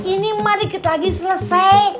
ini emang dikit lagi selesai